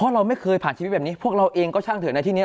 เราไม่เคยผ่านชีวิตแบบนี้พวกเราเองก็ช่างเถอะในที่นี้